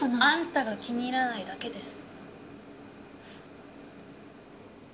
あんたが気に入らないだけです。